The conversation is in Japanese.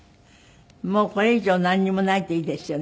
もうこれ以上なんにもないといいですよね。